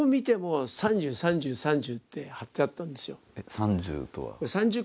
「３０」とは？